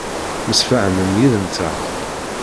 Msefhamen yid-nteɣ.